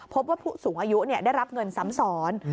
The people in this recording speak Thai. พบว่าผู้สูงอายุได้รับเงินซ้ำซ้อน